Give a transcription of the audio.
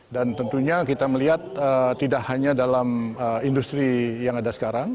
dan tentunya kita melihat tidak hanya dalam industri yang ada sekarang